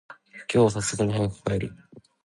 今日は流石に早く帰る。